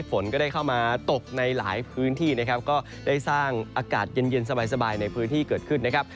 ฝนก็ได้เข้ามาตกในหลายพื้นที่นะครับก็ได้สร้างอากาศเย็นเย็นสบายในพื้นที่เกิดขึ้นนะครับ